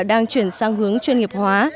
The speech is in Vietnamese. đang chuyển sang hướng chuyên nghiệp hóa